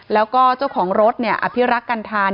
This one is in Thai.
แล้วก็เจ้าของรถอภิรักษ์กันทาน